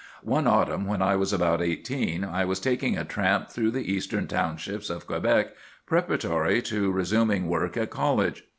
"One autumn, when I was about eighteen, I was taking a tramp through the eastern townships of Quebec preparatory to resuming work at college.